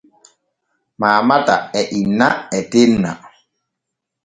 Maamata e inna e tenna.